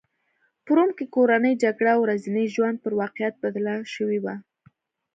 په روم کې کورنۍ جګړه ورځني ژوند پر واقعیت بدله شوې وه